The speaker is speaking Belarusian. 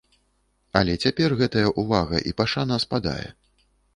Але цяпер гэтая ўвага і пашана спадае.